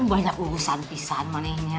banyak urusan pisan manegnya